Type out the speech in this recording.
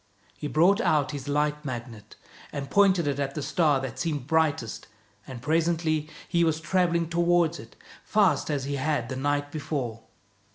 He brought out his Light Magnet and pointed it at the star that seemed brightest, and presently he was traveling toward it as fast as he had the night before.